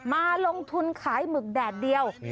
มาลงทุนขายหมึกแดดเดียว